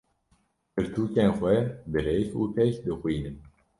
Pirtûkên xwe bi rêk û pêk dixwînim.